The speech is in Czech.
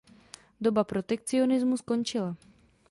Doba protekcionismu skončila.